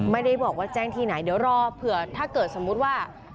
ไม่ได้บอกว่าแจ้งที่ไหนเดี๋ยวรอเผื่อถ้าเกิดสมมุติว่า